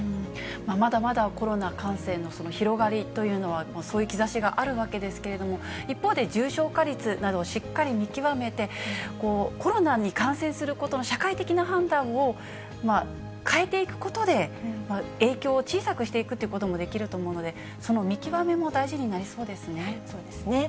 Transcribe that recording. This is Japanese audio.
まだまだコロナ感染の広がりというのは、そういう兆しがあるわけですけれども、一方で重症化率などをしっかり見極めて、コロナに感染することの社会的な判断を変えていくことで、影響を小さくしていくということもできると思うので、その見極めも大事そうですね。